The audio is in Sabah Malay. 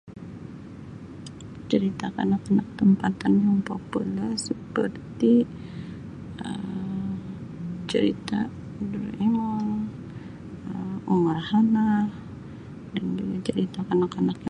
Cerita kanak-kanak tempatan yang popular seperti Um cerita Doraemon, Omar Hana dan cerita kanak-kanak.